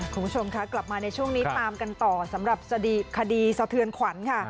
คุณผู้ชมคะกลับมาในช่วงนี้ตามกันต่อสำหรับคดีสะเทือนขวัญค่ะ